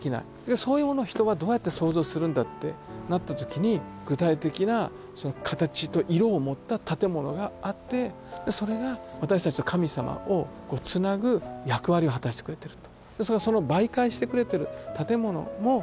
そういうものを人はどうやって想像するんだってなった時に具体的なその形と色を持った建物があってそれが私たちと神様をこうつなぐ役割を果たしてくれてると。